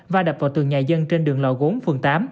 và đập vào tường nhà dân trên đường lò gốm phường tám